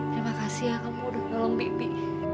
terima kasih ya kamu udah nolong bibi